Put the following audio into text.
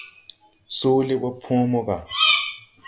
Soolé ɓo põõ mo gà.